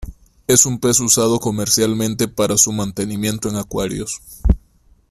Es un pez usado comercialmente para su mantenimiento en acuarios.